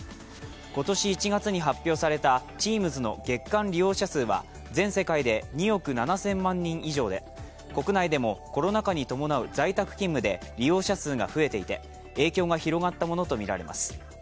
今年１月に発表されたＴｅａｍｓの月間利用者数は全世界で２億７０００万人以上で、国内でもコロナ禍に伴う在宅勤務で利用者数が増えていて影響が広がったものとみられます。